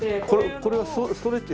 これはストレッチ？